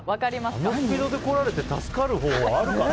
このスピードで来られて助かる方法あるかね。